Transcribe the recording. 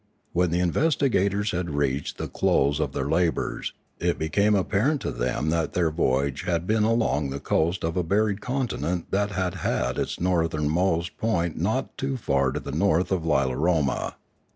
When the investigators had reached the close of their labours, it became patent to them that their voy age had been along the coast of a buried continent that had had its northernmost point not far to the north of Irilaroma.